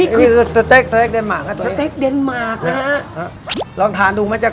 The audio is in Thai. เพราะเอ